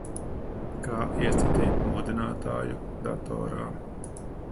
Kā iestatīt modinātāju datorā?